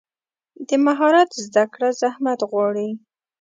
د مهارت زده کړه زحمت غواړي.